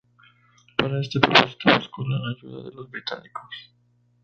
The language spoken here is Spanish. Para este propósito buscó la ayuda de los británicos.